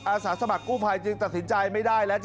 อาสาสมัครกู้ภัยจึงตัดสินใจไม่ได้แล้ว